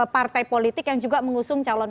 partai politik yang juga mengusung calon